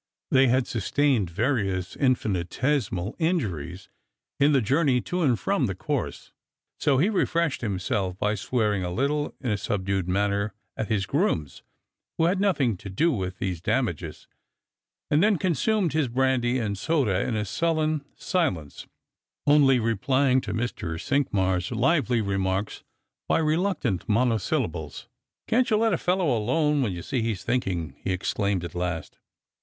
They had sustained various intinitesima' injuries in the journey to and from the course, so he refreshed himself by swearing a little in a subdued manner at his grooms, who had nothing to do with these damages, and then consumed his brandy and soda in a sullen silence, only replying to Mr, Cinqmars' lively remarks by reluctant monosyllables. " Can't you let a fellow alone when you see he's thinking ?" he exclaimed at last.